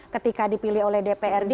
ketika dipilih oleh dprd